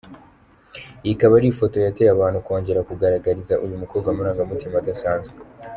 Iyi ikaba ari yo foto yateye abantu kongera kugaragariza uyu mukobwa amarangamutima adasanzwe.